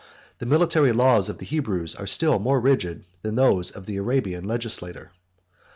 The military laws of the Hebrews are still more rigid than those of the Arabian legislator.